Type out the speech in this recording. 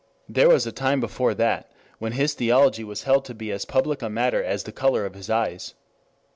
There was a time before that when his theology was held to be as public a matter as the color of his eyes.